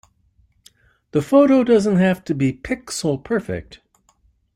The photo doesn't have to be pixel perfect.